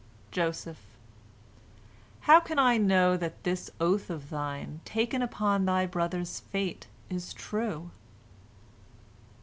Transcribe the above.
Joseph: "How can I know that this oath of thine taken upon thy brother's fate is true?"